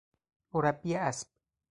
مربی اسب